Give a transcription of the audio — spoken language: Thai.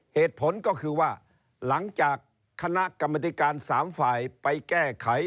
เหตุผลก็คือว่าหลังจากคณะกรรมธิการ๓ฝ่ายไปแก้ไข